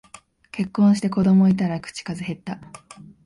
結婚して子供いたら口数へった